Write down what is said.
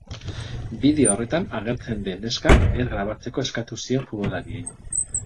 Bideo horretan agertzen den neskak ez grabatzeko eskatu zien futbolariei.